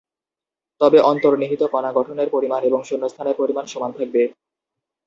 তবে অন্তর্নিহিত কণা গঠনের পরিমাণ এবং শূন্যস্থানের পরিমাণ সমান থাকবে।